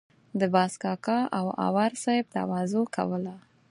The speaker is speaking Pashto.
د باز کاکا او اور صاحب تواضع کوله.